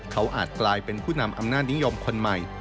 เขาอาจกลายเป็นผู้นำอำนาจนิยมคนใหม่